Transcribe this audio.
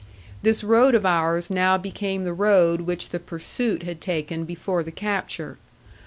This road of ours now became the road which the pursuit had taken before the capture.